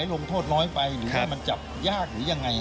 ลงโทษน้อยไปหรือว่ามันจับยากหรือยังไง